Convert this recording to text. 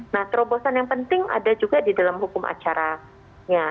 nah terobosan yang penting ada juga di dalam hukum acaranya